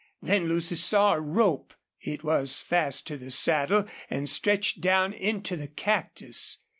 Then Lucy saw a rope. It was fast to the saddle and stretched down into the cactus.